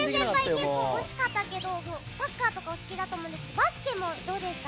結構惜しかったけどサッカーとかお好きだと思うんですけどバスケもどうですか？